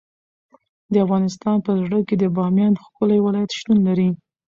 د افغانستان په زړه کې د بامیان ښکلی ولایت شتون لري.